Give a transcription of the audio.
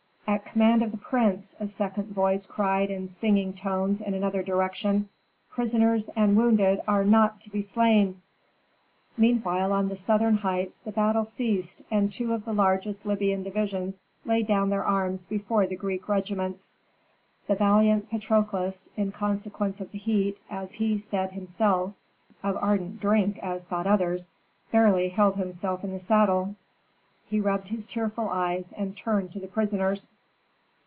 "At command of the prince," a second voice cried in singing tones in another direction, "prisoners and wounded are not to be slain!" Meanwhile on the southern heights the battle ceased and two of the largest Libyan divisions laid down their arms before the Greek regiments. The valiant Patrokles, in consequence of the heat, as he said himself of ardent drink, as thought others barely held himself in the saddle. He rubbed his tearful eyes, and turned to the prisoners.